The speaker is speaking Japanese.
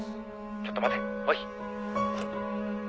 ちょっと待ておい。